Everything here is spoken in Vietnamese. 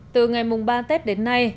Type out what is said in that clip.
từ ngày ba tết đến nay